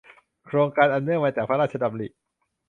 โครงการอันเนื่องมาจากพระราชดำริ